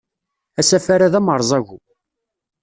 Asafar-a d amerẓagu.